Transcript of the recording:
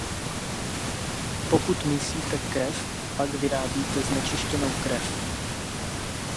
Pokud mísíte krev, pak vyrábíte znečištěnou krev.